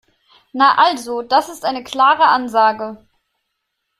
Na also, das ist eine klare Ansage.